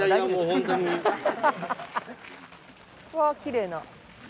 わきれいな。